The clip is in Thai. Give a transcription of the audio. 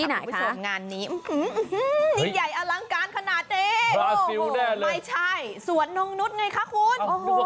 นิ่งใหญ่อลังการขนาดนี้ไม่ใช่สวนนมนุษย์ไงคะคุณ